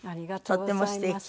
とってもすてき。